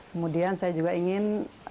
kemudian saya juga ingin